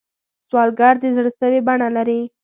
سوالګر د زړه سوې بڼه لري